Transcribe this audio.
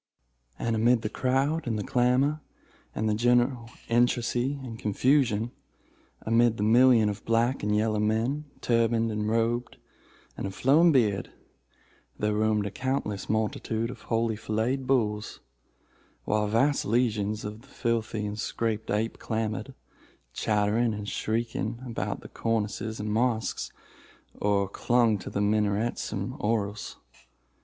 And amid the crowd, and the clamor, and the general intricacy and confusion—amid the million of black and yellow men, turbaned and robed, and of flowing beard, there roamed a countless multitude of holy filleted bulls, while vast legions of the filthy but sacred ape clambered, chattering and shrieking, about the cornices of the mosques, or clung to the minarets and oriels.